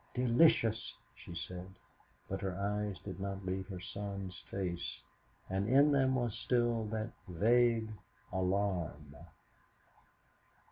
"Delicious!" she said, but her eyes did not leave her son's face, and in them was still that vague alarm.